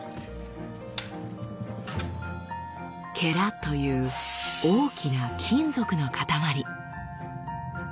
「」という大きな金属の塊。